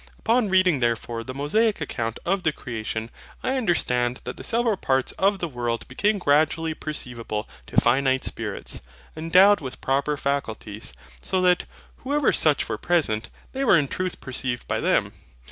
Upon reading therefore the Mosaic account of the creation, I understand that the several parts of the world became gradually perceivable to finite spirits, endowed with proper faculties; so that, whoever such were present, they were in truth perceived by them.